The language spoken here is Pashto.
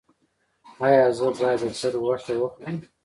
ایا زه باید د چرګ غوښه وخورم؟